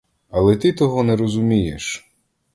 Але — ти того не розумієш!